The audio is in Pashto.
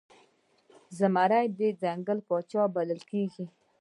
زمری د ځنګل پاچا بلل کیږي